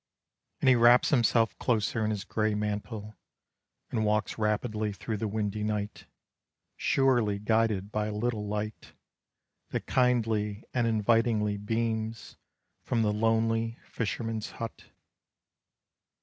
And he wraps himself closer in his gray mantle, And walks rapidly through the windy night, Surely guided by a little light, That kindly and invitingly beams From the lonely fisherman's hut.